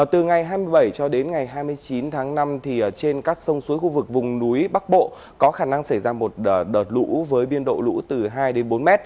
từ ngày hai mươi bảy cho đến ngày hai mươi chín tháng năm trên các sông suối khu vực vùng núi bắc bộ có khả năng xảy ra một đợt lũ với biên độ lũ từ hai đến bốn m